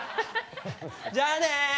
じゃあね！